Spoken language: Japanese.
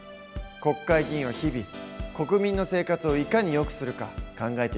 国会議員は日々国民の生活をいかに良くするか考えているんだね。